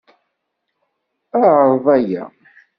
Ɛreḍ aya.